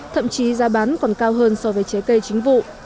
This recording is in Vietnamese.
thậm chí giá bán còn cao hơn so với trái cây chính vụ